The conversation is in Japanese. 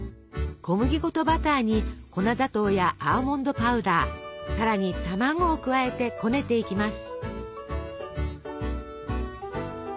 小麦粉とバターに粉砂糖やアーモンドパウダーさらに卵を加えてこねていきます。